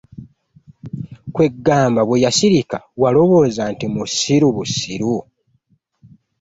Kweggamba bwe yasirika walowooza nti musiru busiru?